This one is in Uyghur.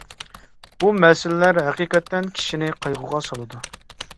بۇ مەسىلىلەر ھەقىقەتەن كىشىنى قايغۇغا سالىدۇ.